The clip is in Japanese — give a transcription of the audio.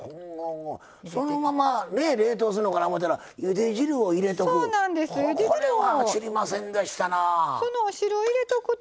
そのまま冷凍するのかなと思ったらゆで汁を入れとく。